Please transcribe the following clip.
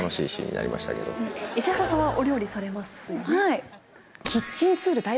はい。